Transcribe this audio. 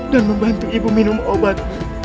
dan membantu ibu minum obat